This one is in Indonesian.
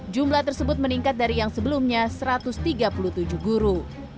jumlah tersebut meningkat dari yang sebelumnya satu ratus tiga puluh tujuh guru